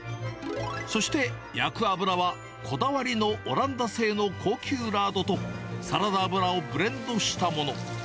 そして、焼く油はこだわりのオランダ製の高級ラードと、サラダ油をブレンドしたもの。